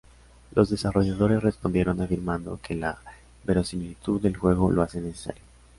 Los desarrolladores respondieron afirmando que la verosimilitud del juego lo hace necesario.